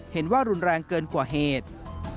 เห็นว่ารุนแรงเกินกว่าเหตุ